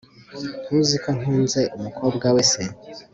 ntuzi ko ntunze umukobwa we c